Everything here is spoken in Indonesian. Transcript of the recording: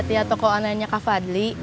liat liat tokoan lainnya kak fadli